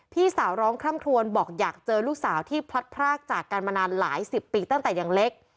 พี่สาวร้องคล่ำคลวนบอกอยากเจอลูกสาวที่พลัดพรากจากกันมานานหลายสิบปีตั้งแต่ยังเล็ก